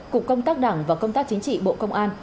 cục công tác đảng và công tác chính trị bộ công an